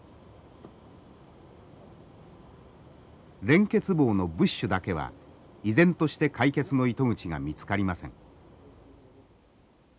連結棒のブッシュだけは依然として解決の糸口が見つかりません。